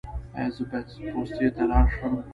ایا زه باید پوستې ته لاړ شم؟